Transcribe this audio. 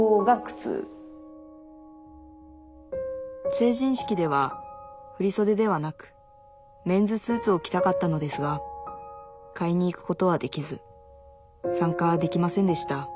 成人式では振り袖ではなくメンズスーツを着たかったのですが買いに行くことはできず参加できませんでした